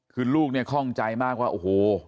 คือลูกเนี่ยคล่องใจมากว่าโอ้โห